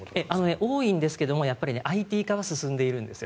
多いんですけどＩＴ化が進んでいるんですよ。